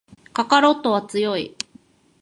カカロットは強い